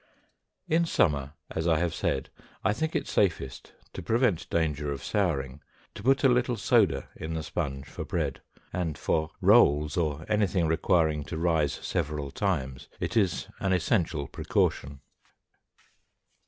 In summer, as I have said, I think it safest, to prevent danger of souring, to put a little soda in the sponge for bread; and for rolls, or anything requiring to rise several times, it is an essential precaution.